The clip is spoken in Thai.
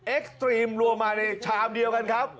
เอ็กซ์ตรีมรวมมาในชามเดียวกันครับ